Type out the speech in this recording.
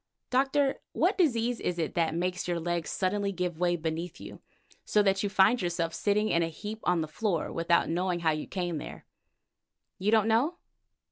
Doctor, what disease is it that makes your legs suddenly give way beneath you, so that you find yourself sitting in a heap on the floor without knowing how you came there? You don't know?